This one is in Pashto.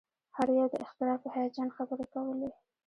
هر یو د اختراع په هیجان خبرې کولې